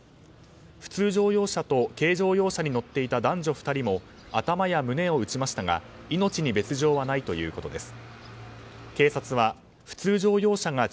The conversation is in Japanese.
普通乗用車と軽乗用車に乗っていた男女２人も頭や胸を打ちましたが命に別条はないということです。